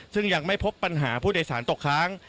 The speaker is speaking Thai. ซึ่งยังไม่พบปัญหาผู้โดยสารตกค้าง